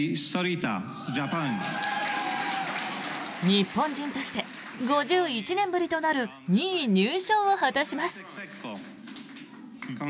日本人として５１年ぶりとなる２位入賞を果たします。